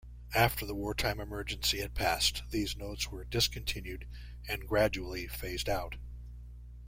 After the wartime emergency had passed these notes were discontinued and gradually phased out.